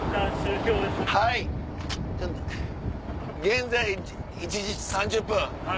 現在１時３０分。